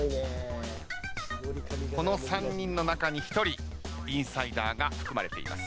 この３人の中に１人インサイダーが含まれています。